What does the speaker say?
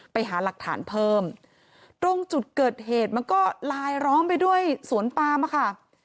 ไปหาหลักฐานเพิ่มตรงจุดเกิดเหตุมันก็ลายล้อมไปด้วยสวนปามอะค่ะ